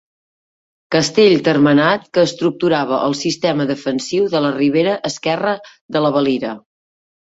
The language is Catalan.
Castell termenat que estructurava el sistema defensiu de la ribera esquerra de la Valira.